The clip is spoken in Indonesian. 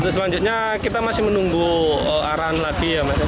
selanjutnya kita masih menunggu arahan lagi